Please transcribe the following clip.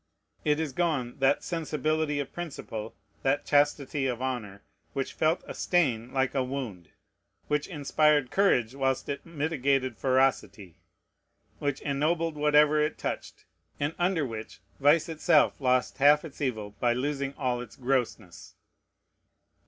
It is gone, that sensibility of principle, that chastity of honor, which felt a stain like a wound, which inspired courage whilst it mitigated ferocity, which ennobled whatever it touched, and under which vice itself lost half its evil by losing all its grossness!